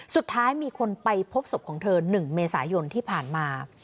สุดท้ายมีคนไปพบศพของเธอ๑เมษายนที่ผ่านมา